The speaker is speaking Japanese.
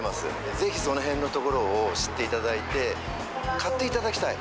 ぜひそのへんのところを知っていただいて、買っていただきたい。